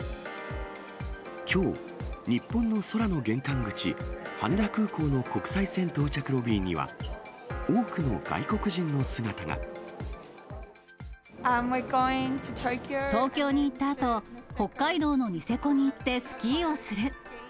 きょう、日本の空の玄関口、羽田空港の国際線到着ロビーには、多くの外国東京に行ったあと、北海道のニセコに行ってスキーをする。